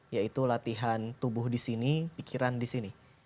yaitu latihan tubuh di sini pikiran di sini